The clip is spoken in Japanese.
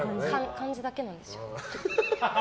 感じだけなんですよ。